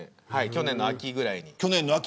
去年の秋ぐらいに。